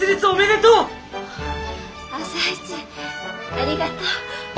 朝市ありがとう。